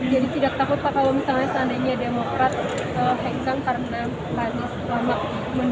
jadi tidak takut kalau misalnya seandainya demokrat